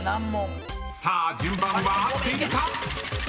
［さあ順番は合っているか⁉］